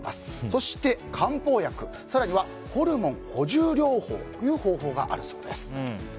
そして、漢方薬更にはホルモン補充療法という方法があるそうです。